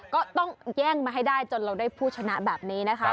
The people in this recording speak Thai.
ก็ต้องแย่งมาให้ได้จนเราได้ผู้ชนะแบบนี้นะคะ